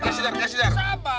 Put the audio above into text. kasih dar kasih dar